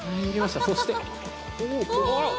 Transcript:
そして。